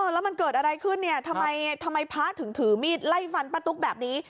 แล้วมันเกิดอะไรขึ้นเนี่ยทำไมพระถึงถือมีดไล่ฟันป้าตุ๊กแบบนี้